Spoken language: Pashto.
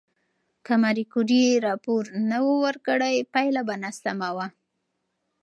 که ماري کوري راپور نه ورکړي، پایله به ناسم وي.